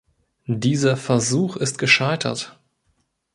Dieser Versuch ist gescheitert.